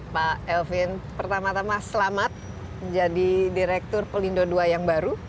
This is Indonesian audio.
pertama tama selamat menjadi direktur pelindo ii yang baru